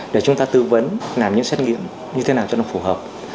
để chúng ta tư vấn làm những xét nghiệm như thế nào cho nó phù hợp